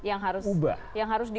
yang harus diubah